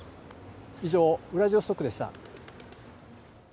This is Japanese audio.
以上、ウラジオストクでした。